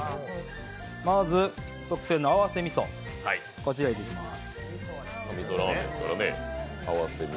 まず、特製の合わせ味噌、こちらへ入れていきます。